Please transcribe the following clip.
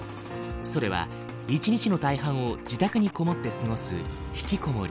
それは一日の大半を自宅にこもって過ごすひきこもり。